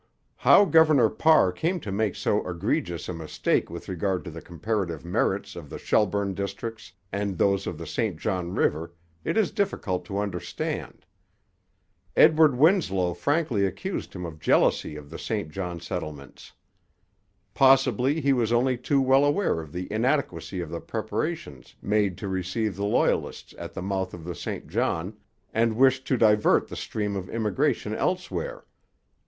How Governor Parr came to make so egregious a mistake with regard to the comparative merits of the Shelburne districts and those of the St John river it is difficult to understand. Edward Winslow frankly accused him of jealousy of the St John settlements. Possibly he was only too well aware of the inadequacy of the preparations made to receive the Loyalists at the mouth of the St John, and wished to divert the stream of immigration elsewhere.